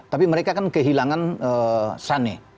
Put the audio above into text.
tapi mereka kan kehilangan sune